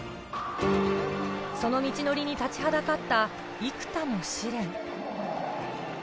その道のりに立ちはだかった幾多の試練。